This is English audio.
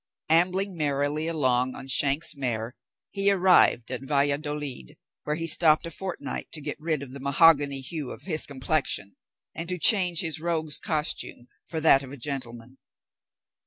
Ambling merrily along on shanks' mare, he arrived at Valladolid, where he stopped a fortnight to get rid of the mahogany hue of his complexion, and to change his rogue's costume for that of a gentleman.